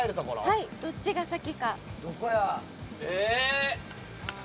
はい、どっちが先か。